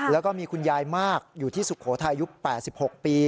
แล้วก็มีคุณยายมากอยู่ที่สุโขทัยยุค๘๖ปี